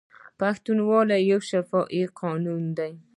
پښتونولي یو شفاهي قانون دی.